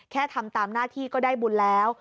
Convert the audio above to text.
ทำตามหน้าที่ก็ได้บุญแล้ว